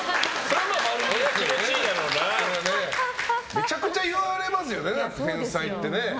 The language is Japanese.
めちゃくちゃ言われますよね天才ってね。